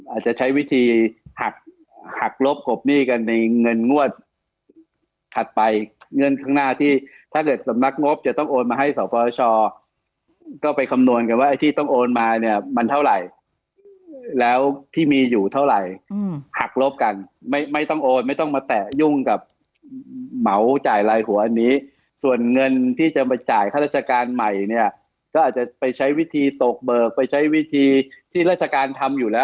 อาจจะใช้วิธีหักหักลบกบหนี้กันในเงินงวดถัดไปเงินข้างหน้าที่ถ้าเกิดสำนักงบจะต้องโอนมาให้สปชก็ไปคำนวณกันว่าไอ้ที่ต้องโอนมาเนี่ยมันเท่าไหร่แล้วที่มีอยู่เท่าไหร่หักลบกันไม่ไม่ต้องโอนไม่ต้องมาแตะยุ่งกับเหมาจ่ายลายหัวอันนี้ส่วนเงินที่จะมาจ่ายค่าราชการใหม่เนี่ยก็อาจจะไปใช้วิธีตกเบิกไปใช้วิธีที่ราชการทำอยู่แล้ว